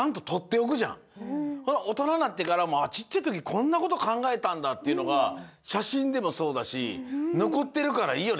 おとななってからもちっちゃいときこんなことかんがえたんだっていうのがしゃしんでもそうだしのこってるからいいよね。